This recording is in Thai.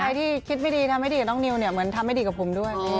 ใครที่คิดไม่ดีทำไม่ดีกับน้องนิวมันทำไม่ดีกับผมด้วย